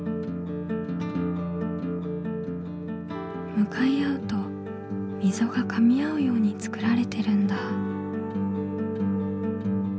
向かい合うとみぞがかみあうように作られてるんだ。